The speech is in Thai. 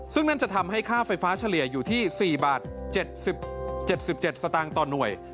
ซึ่งนั่นจะทำให้ค่าไฟฟ้าเฉลี่ยอยู่ที่๔บาท๗๗สตางค์ต่อหน่วย